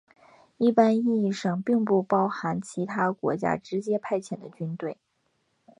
一般意义上并不包含其他国家直接派遣的军队。